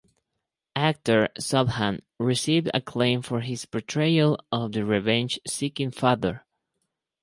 Actor Sobhan received acclaim for his portrayal of the revenge seeking father.